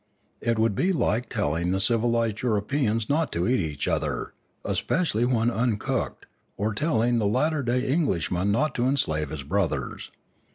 It would be like telliug the civilised Europeans not to eat each other, especially when uncooked, or telling the latter day Englishman not to enslave his brothers.